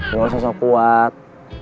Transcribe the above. nggak usah sok kuat